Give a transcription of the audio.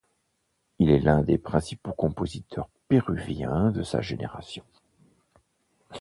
Il est l’un des principaux compositeurs péruviens de sa génération.